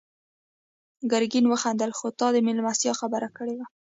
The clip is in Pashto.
ګرګين وخندل: خو تا د مېلمستيا خبره کړې وه.